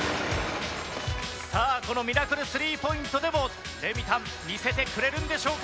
さあこのミラクル３ポイントでもレミたん見せてくれるんでしょうか？